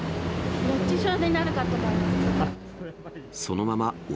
熱中症になるかと思いました。